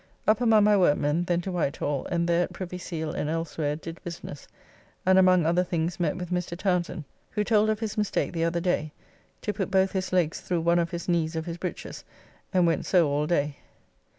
Up among my workmen, then to Whitehall, and there at Privy Seal and elsewhere did business, and among other things met with Mr. Townsend, who told of his mistake the other day, to put both his legs through one of his knees of his breeches, and went so all day.